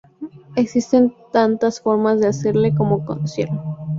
Existen tantas formas de hacerla como cocineros.